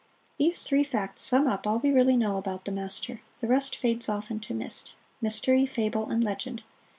These three facts sum up all we really know about the master the rest fades off into mist mystery, fable and legend.